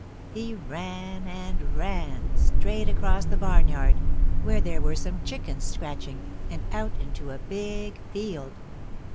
He ran and ran, straight across the barnyard, where there were some chickens scratching, and out into a big field.